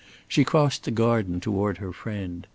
She crossed the garden toward her friend.